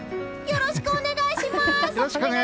よろしくお願いします！